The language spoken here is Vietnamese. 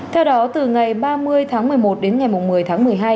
theo đó từ ngày ba mươi tháng một mươi một đến ngày một mươi tháng một mươi hai